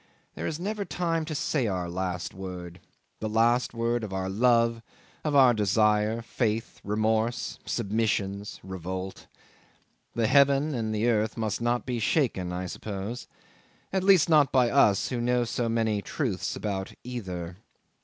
There is never time to say our last word the last word of our love, of our desire, faith, remorse, submissions, revolt. The heaven and the earth must not be shaken, I suppose at least, not by us who know so many truths about either.